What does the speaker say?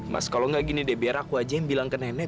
mas kalau nggak gini deh biar aku aja yang bilang ke nenek